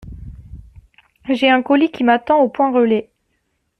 J'ai un colis qui m'attend au point relais.